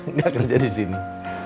nggak kerja di sini